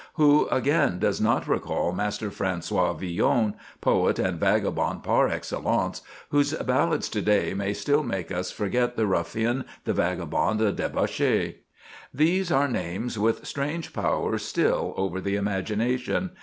Who, again, does not recall Master François Villon, "poet and vagabond, par excellence," whose ballads to day may still make us forget the ruffian, the vagabond, the debauchee? These are names with strange power still over the imagination.